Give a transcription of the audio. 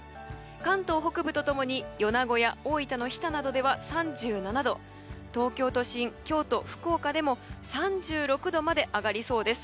関東北部と共に米子や大分の日田などで３７度東京都心、京都、福岡でも３６度まで上がりそうです。